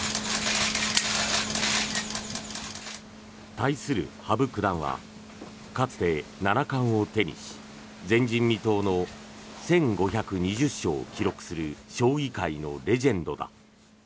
対する羽生九段はかつて七冠を手にし前人未到の１５２０勝を記録する将棋界のレジェンドだ。